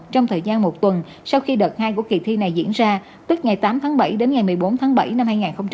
trong thời gian một tuần sau khi đợt hai của kỳ thi này diễn ra từ ngày tám tháng bảy đến ngày một mươi bốn tháng bảy năm hai nghìn hai mươi